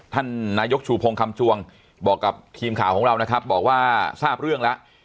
ท่านนายกชูพงศ์คำชวงบอกกับทีมข่าวของเรานะครับบอกว่าทราบเรื่องแล้ว